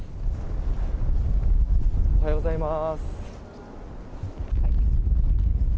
おはようございます。